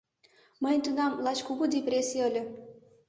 Мыйын тунам лач кугу депрессий ыле.